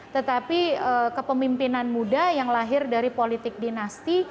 tetapi kepemimpinan muda yang lahir dari politik dinasti